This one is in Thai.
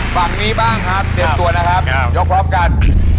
ฝั่งนี้บ้างครับเตรียมตัวนะครับยกพร้อมกัน